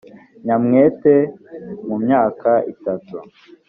nyamwete mu myaka itatu